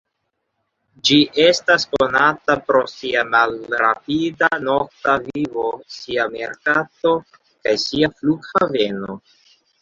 Ĝi estas konata pro sia malrapida nokta vivo, sia merkato kaj sia flughaveno.